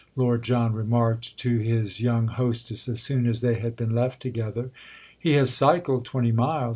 Lord John remarked to his young hostess as soon as they had been left together. "He has cycled twenty miles.